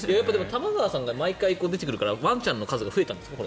玉川さんが毎回出てくるからワンちゃんの数が増えたんですか？